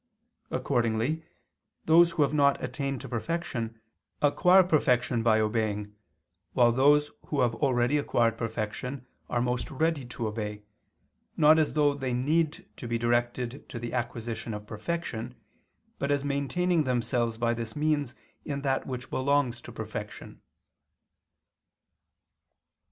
Accordingly those who have not attained to perfection, acquire perfection by obeying, while those who have already acquired perfection are most ready to obey, not as though they need to be directed to the acquisition of perfection, but as maintaining themselves by this means in that which belongs to perfection.